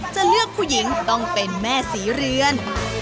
จะเลือกผู้หญิงต้องเป็นแม่ศรีเรือน